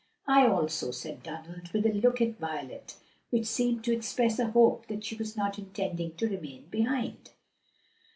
"I also," said Donald, with a look at Violet which seemed to express a hope that she was not intending to remain behind.